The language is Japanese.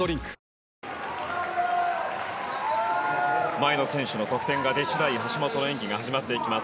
前の選手の得点が出次第橋本の演技が始まっていきます。